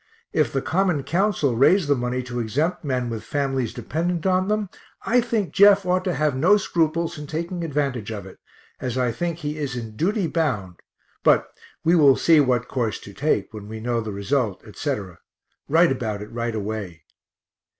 If the Common Council raise the money to exempt men with families dependent on them, I think Jeff ought to have no scruples in taking advantage of it, as I think he is in duty bound but we will see what course to take, when we know the result, etc.; write about it right away.